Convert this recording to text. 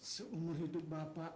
seumur hidup bapak